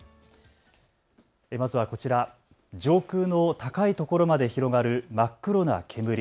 まずはこちら、上空の高い所まで広がる真っ黒な煙。